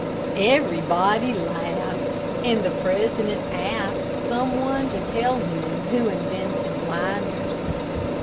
Everybody laughed, and the president asked some one to tell him who invented blinders.